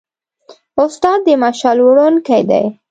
استاد د مشعل وړونکی دی.